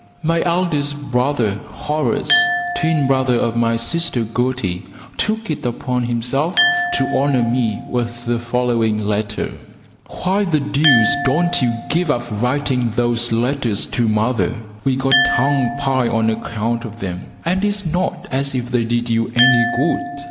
My eldest brother, Horace, twin brother of my sister Gertie, took it upon himself to honour me with the following letter: Why the deuce don't you give up writing those letters to mother? We get tongue pie on account of them, and it's not as if they did you any good.